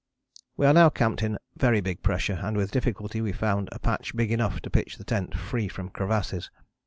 We are now camped in very big pressure, and with difficulty we found a patch big enough to pitch the tent free from crevasses.